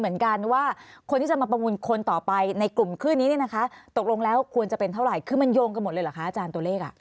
คือมันโยงกันหมดเลยเหรอคะอาจารย์ตัวเลข